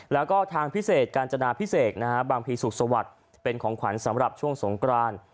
แล้วก็ทางพิเศษกาญจนาพิเศษนะฮะบางพีสุขสวัสดิ์เป็นของขวัญสำหรับช่วงสงกราน